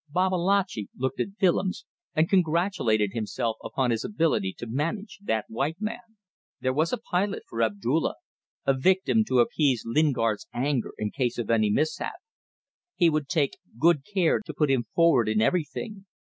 Babalatchi looked at Willems and congratulated himself upon his ability to manage that white man. There was a pilot for Abdulla a victim to appease Lingard's anger in case of any mishap. He would take good care to put him forward in everything.